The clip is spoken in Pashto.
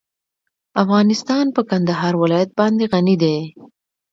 افغانستان په کندهار ولایت باندې غني دی.